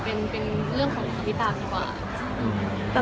เป็นเรื่องของคำพิตาดีกว่า